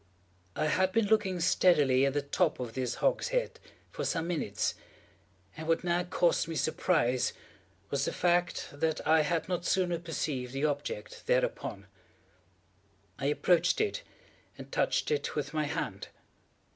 I had been looking steadily at the top of this hogshead for some minutes, and what now caused me surprise was the fact that I had not sooner perceived the object thereupon. I approached it, and touched it with my hand.